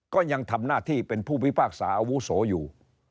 ก็ยังทำหน้าที่เป็นผู้พิพากษาอาวุโสอยู่